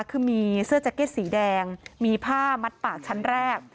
คือมีเสื้อแจ็คเก็ตสีแดงมีผ้ามัดปากชั้นแรก